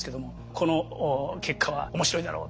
「この結果は面白いだろう」